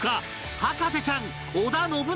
『博士ちゃん』織田信長